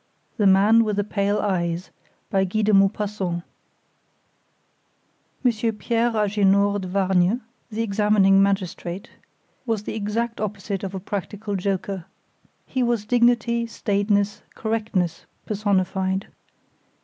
The Man with the Pale Eyes Monsieur Pierre Agénor De Vargnes, the Examining Magistrate, was the exact opposite of a practical joker. He was dignity, staidness, correctness personified.